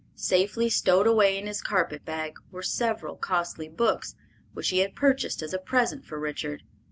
Safely stowed away in his carpet bag were several costly books, which he had purchased as a present for Richard.